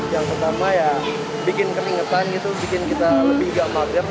yang pertama ya bikin keringetan gitu bikin kita lebih gak mager